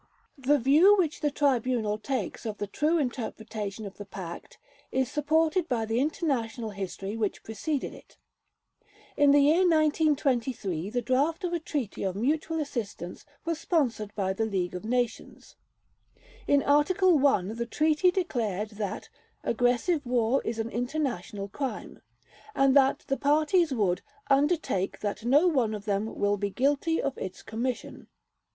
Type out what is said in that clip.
The view which the Tribunal takes of the true interpretation of the Pact is supported by the international history which preceded it. In the year 1923 the draft of a Treaty of Mutual Assistance was sponsored by the League of Nations. In Article I the Treaty declared "that aggressive war is an international crime", and that the parties would "undertake that no one of them will be guilty of its commission".